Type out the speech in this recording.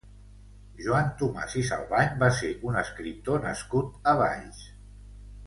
Joan Tomàs i Salvany va ser un escriptor nascut a Valls.